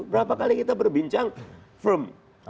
berapa kali kita berbincang firm